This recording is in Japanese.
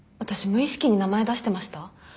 無意識に名前出してました？